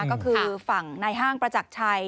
ก็คือฝั่งในห้างประจักรชัย